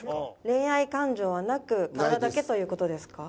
恋愛感情はなく体だけという事ですか？